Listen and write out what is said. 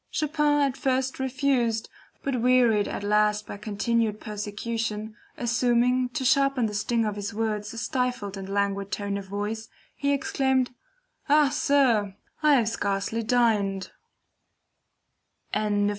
Chopin at first refused, but wearied at last by continued persecution, assuming, to sharpen the sting of his words, a stifled and languid tone of voice, he exclaimed: "Ah, sir, I have scarcely dined!"